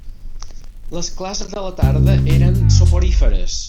Les classes de la tarda eren soporíferes.